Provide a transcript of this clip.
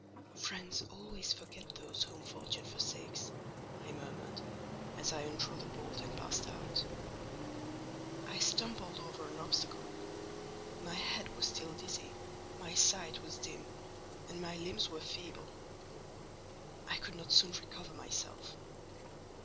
"Friends always forget those whom fortune forsakes," I murmured, as I undrew the bolt and passed out. I stumbled over an obstacle: my head was still dizzy, my sight was dim, and my limbs were feeble. I could not soon recover myself.